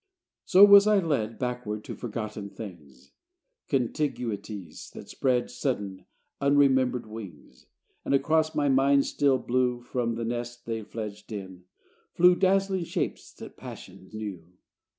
So was I led Backward to forgotten things, Contiguities that spread Sudden, unremembered wings: And across my mind's still blue, From the nest they fledged in, flew Dazzling shapes that passion knew.